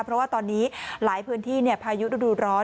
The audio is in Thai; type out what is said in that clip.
เพราะว่าตอนนี้หลายพื้นที่พายุฤดูร้อน